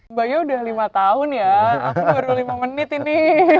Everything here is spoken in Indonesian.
mbaknya udah lima tahun ya aku baru lima menit ini